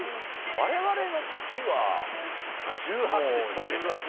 我々の時は１８で取ってたよね。